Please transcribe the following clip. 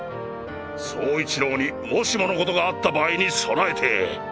走一郎にもしものことがあった場合に備えて。